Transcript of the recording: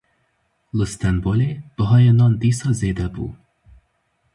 Li Stenbolê bihayê nan dîsa zêde bû.